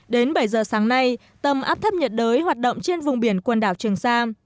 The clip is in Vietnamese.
đến bảy giờ sáng nay tầm áp thấp nhật đới hoạt động trên vùng biển quần đảo trường sa